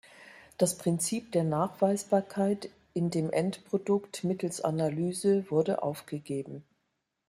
Das Prinzip der Nachweisbarkeit in dem Endprodukt mittels Analyse wurde aufgegeben.